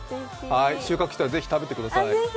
収穫したらぜひ食べてください。